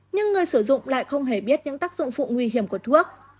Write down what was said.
nhưng người sử dụng lại không hề biết những tác dụng phụ nguy hiểm của thuốc